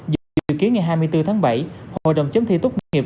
dự kiến ngày hai mươi bốn tháng bảy hội đồng chấm thi tốt nghiệp